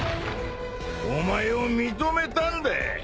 お前を認めたんだ。